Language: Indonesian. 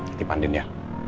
nanti pandin ya